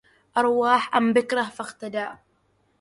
أرواح أم بكرة فاغتداء